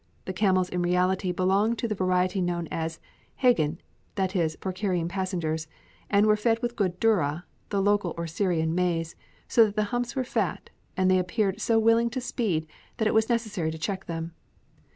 The camels in reality belonged to the variety known as "hegin," that is, for carrying passengers, and were fed with good durra (the local or Syrian maize) so that the humps were fat and they appeared so willing to speed that it was necessary to check them.